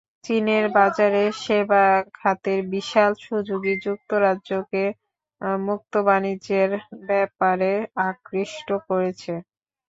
চীনের বাজারে সেবা খাতের বিশাল সুযোগই যুক্তরাজ্যকে মুক্তবাণিজ্যের ব্যাপারে আকৃষ্ট করেছে।